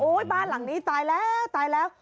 บ้านหลังนี้ตายแล้วตายแล้ว